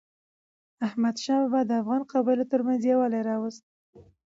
احمدشاه بابا د افغانو قبایلو ترمنځ یووالی راوست.